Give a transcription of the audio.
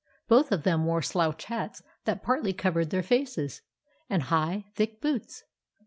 Both of them wore slouch hats that partly covered their faces, and high, thick boots.